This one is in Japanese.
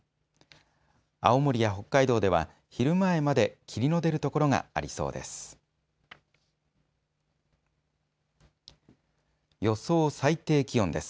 青森や北海道では昼前まで霧の出る所がありそうです。